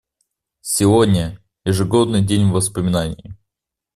Сегодня — ежегодный день воспоминаний.